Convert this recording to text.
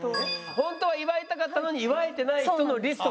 ホントは祝いたかったのに祝えてない人のリストがあるの？